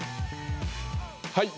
はい。